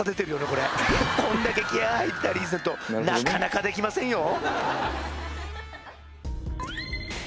これこんだけ気合入ったリーゼントなかなかできませんよ